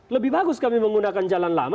lebih bagus kami menggunakan jalan lama